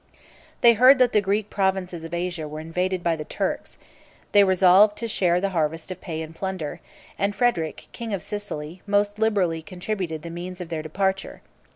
They heard that the Greek provinces of Asia were invaded by the Turks: they resolved to share the harvest of pay and plunder: and Frederic king of Sicily most liberally contributed the means of their departure.